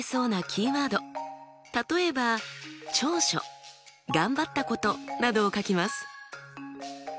例えば長所頑張ったことなどを書きます。